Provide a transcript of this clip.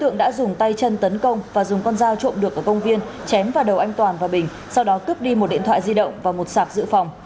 người chân tấn công và dùng con dao trộm được ở công viên chém vào đầu anh toàn và bình sau đó cướp đi một điện thoại di động và một sạp giữ phòng